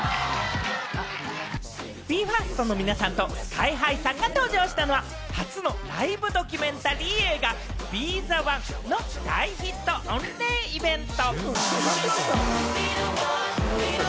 ＢＥ：ＦＩＲＳＴの皆さんとＳＫＹ−ＨＩさんが登場したのは、初のライブドキュメンタリー映画『ＢＥ：ｔｈｅＯＮＥ』の大ヒット御礼イベント。